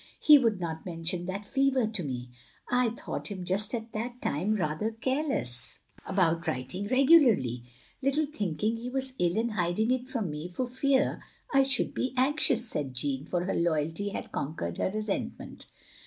"He would not mention that fever to me — I thought him just at that time rather careless 3SO THE LONELY LADY about writing regtilariy — ^little thinking he was ill and hiding it from me for fear I should be anx ious," said Jeanne, for her loyalty had con quered her resentment.